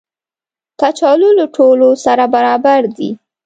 کچالو له ټولو سره برابر دي